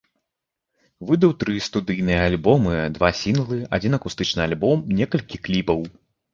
Выдаў тры студыйныя альбомы, два сінглы, адзін акустычны альбом, некалькі кліпаў.